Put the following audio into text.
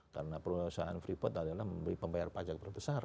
karena perusahaan freeport adalah memberi pembayar pajak berbesar